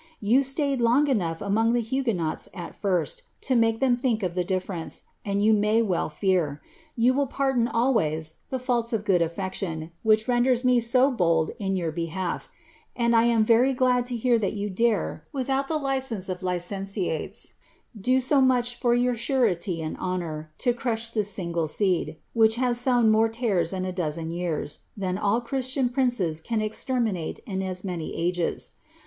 You staid long enough among the Huguenots, at first, to make them think of the difierence, and you may well fear! You will pardon always the faults of good afiection, which ren ders me so bold in your behalf; and I am very glad to hear that you dare, with CNit Uie licence of licentiates, do so much for your surety and honour, to crush this single seed," which has sown more tares in a dozen years, than all Christian princes can exterminate in as many ages.